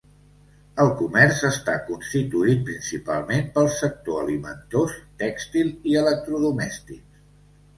El comerç està constituït principalment pel sector alimentós, tèxtil i electrodomèstics.